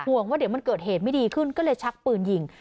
ว่าเดี๋ยวมันเกิดเหตุไม่ดีขึ้นก็เลยชักปืนยิง